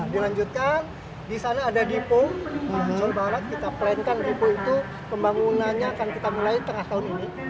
dilanjutkan di sana ada dipo mangun barat kita plankan dipo itu pembangunannya akan kita mulai tengah tahun ini